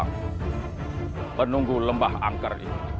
menunggu lembah angker